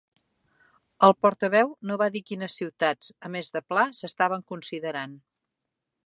El portaveu no va dir quines ciutats, a més de Pla, s'estaven considerant.